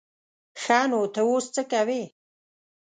ښه نو ته اوس څه کوې؟